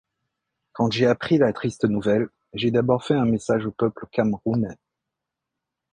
Quand j'ai appris la triste nouvelle, j'ai d'abord fait un message au peuple camerounais.